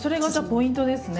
ポイントですね。